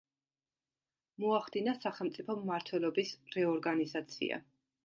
მოახდინა სახელმწიფო მმართველობის რეორგანიზაცია.